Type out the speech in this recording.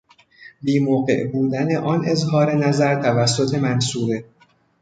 بی موقع بودن آن اظهارنظر توسط منصوره